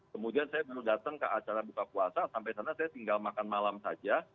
kemudian saya baru datang ke acara buka puasa sampai sana saya tinggal makan malam saja